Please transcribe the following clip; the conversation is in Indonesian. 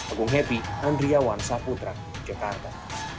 agung happy andriawan saputra jakarta